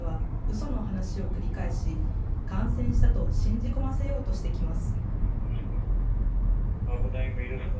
その話を繰り返し、感染したと信じ込ませようとしてきます。